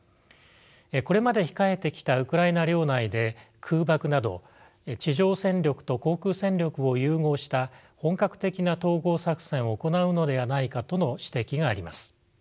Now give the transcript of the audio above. これまで控えてきたウクライナ領内で空爆など地上戦力と航空戦力を融合した本格的な統合作戦を行うのではないかとの指摘があります。